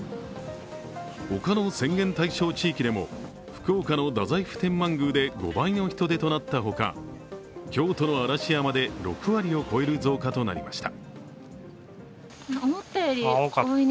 他の宣言対象地域でも福岡の太宰府天満宮で５倍の人出となったほか、京都の嵐山で６割を超える増加となりました。